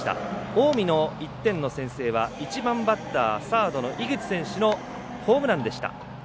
近江の１点の先制は１番バッターサードの井口選手のホームランでした。